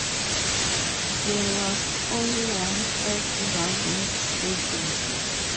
There was only one first round match scheduled.